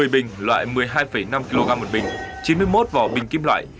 một mươi bình loại một mươi hai năm kg một bình chín mươi một vỏ bình kim loại